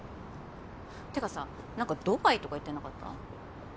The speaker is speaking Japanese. てかさなんか「ドバイ」とか言ってなかった？